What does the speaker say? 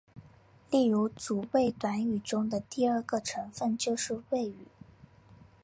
例如主谓短语中的第二个成分就是谓语。